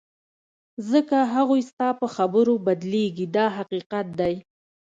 ځکه هغوی ستا په خبرو بدلیږي دا حقیقت دی.